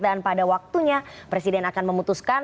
dan pada waktunya presiden akan memutuskan